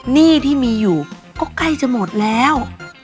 หนี้ที่มีอยู่ก็ใกล้จะหมดแล้ว